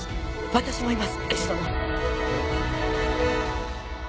私もいます